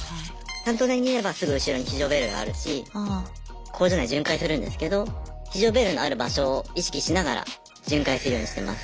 担当台にいればすぐ後ろに非常ベルがあるし工場内巡回するんですけど非常ベルのある場所を意識しながら巡回するようにしてます。